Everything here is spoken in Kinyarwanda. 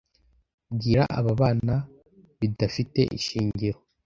bwira aba bana bidafite ishingiro